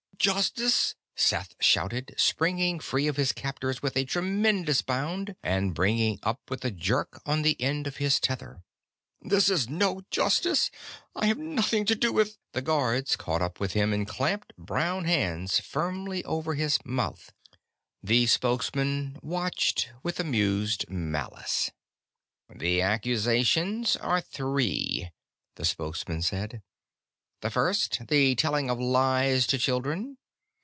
"Justice!" Seth shouted, springing free of his captors with a tremendous bound and bringing up with a jerk on the end of his tether. "This is no justice! I have nothing to do with " The guards caught up with him and clamped brown hands firmly over his mouth. The Spokesman watched with amused malice. "The accusations are three," the Spokesman said. "The first, the telling of lies to children.